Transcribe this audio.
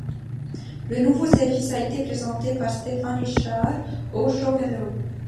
Le nouveau service a été présenté par Stéphane Richard au show Hello!.